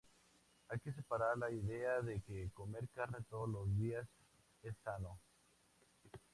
Hay que superar la idea de que comer carne todos los días es sano